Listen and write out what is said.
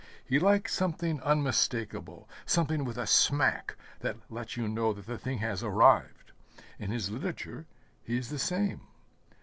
He likes something unmistakable, something with a smack that lets you know that the thing has arrived. In his literature he is the same.